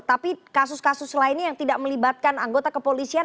tapi kasus kasus lainnya yang tidak melibatkan anggota kepolisian